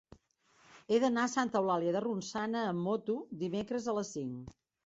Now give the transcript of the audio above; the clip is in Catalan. He d'anar a Santa Eulàlia de Ronçana amb moto dimecres a les cinc.